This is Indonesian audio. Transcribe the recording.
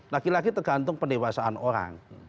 lagi lagi tergantung pendewasaan orang